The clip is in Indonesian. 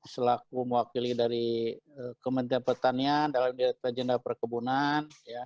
selaku mewakili dari kementerian pertanian dalam direktur jenderal perkebunan